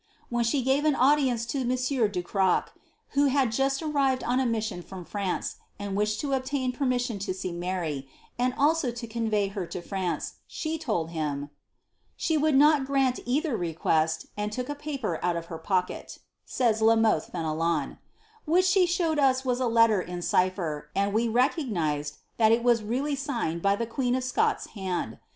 When she gave an audience to or du Croc, who had just arrived on a mission from France, and to obtain permission to see Mary, and also to convey her to , she told him ^ she would not grant either request, and took a lat of her pocket»'^ says La Mothe Fenelon, ^ which she showed a letter in cipher^ and we recognised that it was really signed by len of Scotland's hand.